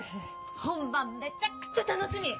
本番めちゃくちゃ楽しみ！